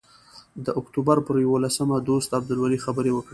د اکتوبر پر یوولسمه دوست عبدالولي خبرې وکړې.